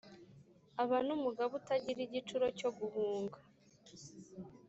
aba n' umugaba utagira igicuro cyo guhunga.